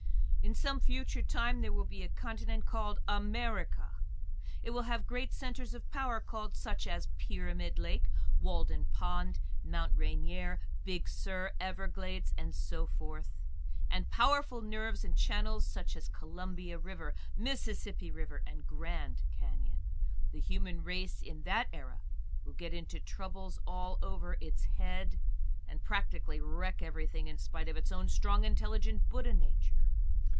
"In some future time, there will be a continent called America. It will have great centers of power called such as Pyramid Lake, Walden Pond, Mt. Rainier, Big Sur, Everglades, and so forth; and powerful nerves and channels such as Columbia River, Mississippi River, and Grand Canyon. The human race in that era will get into troubles all over its head, and practically wreck everything in spite of its own strong intelligent Buddha nature."